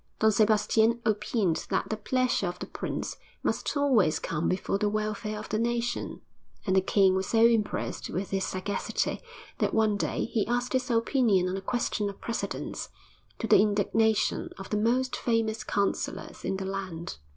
Don Sebastian opined that the pleasure of the prince must always come before the welfare of the nation, and the king was so impressed with his sagacity that one day he asked his opinion on a question of precedence to the indignation of the most famous councillors in the land.